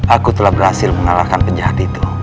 aku telah berhasil mengalahkan penjahat itu